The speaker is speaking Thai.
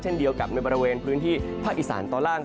เช่นเดียวกับในบริเวณพื้นที่ภาคอีสานตอนล่าง